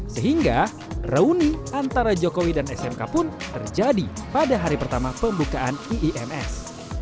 sehingga reuni antara jokowi dan smk pun terjadi pada hari pertama pembukaan iims